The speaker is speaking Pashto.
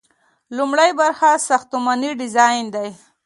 لومړی برخه ساختماني ډیزاین دی.